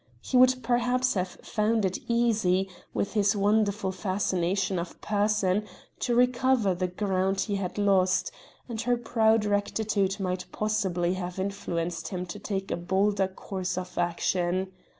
He would probably have found it easy, with his wonderful fascination of person, to recover the ground he had lost; and her proud rectitude might possibly have influenced him to take a bolder course of action.